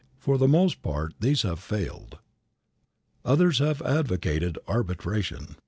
For the most part these have failed. Others have advocated arbitration.